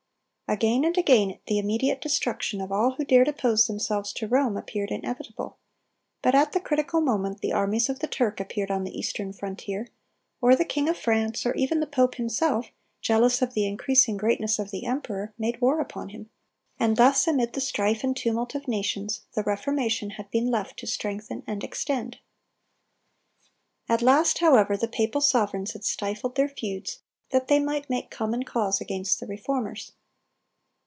Again and again the immediate destruction of all who dared to oppose themselves to Rome appeared inevitable; but at the critical moment the armies of the Turk appeared on the eastern frontier, or the king of France, or even the pope himself, jealous of the increasing greatness of the emperor, made war upon him; and thus, amid the strife and tumult of nations, the Reformation had been left to strengthen and extend. At last, however, the papal sovereigns had stifled their feuds, that they might make common cause against the Reformers.